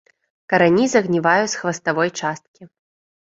Карані загніваюць з хваставой часткі.